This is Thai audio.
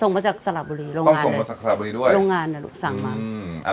ส่งมาจากสระบุรีโรงงานเลยโรงงานลูกสั่งมา